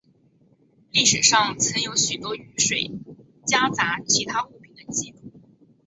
历史上曾有许多雨水夹杂其他物品的记录。